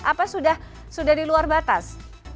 apa sudah di luar batas